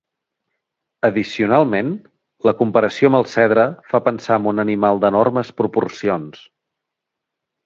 Addicionalment, la comparació amb el cedre fa pensar amb un animal d'enormes proporcions.